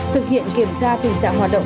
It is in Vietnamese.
thực hiện kiểm tra tình trạng hoạt động